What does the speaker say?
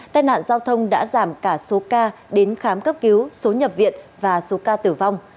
tai nạn giao thông đã giảm cả số ca đến khám cấp cứu số nhập viện và số ca tử vong